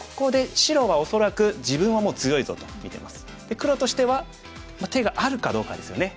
黒としては手があるかどうかですよね。